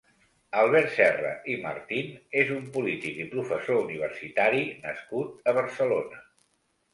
Albert Serra i Martín és un polític i professor universitari nascut a Barcelona.